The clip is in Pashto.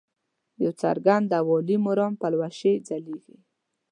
د یو څرګند او عالي مرام پلوشې ځلیږي.